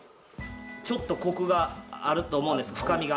ちょっとコクがあると思うんです深みが。